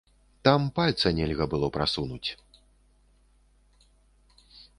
Там пальца нельга было прасунуць.